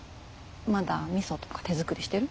まだみそとか手作りしてる？